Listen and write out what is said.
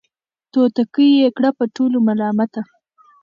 توتکۍ یې کړه په ټولو ملامته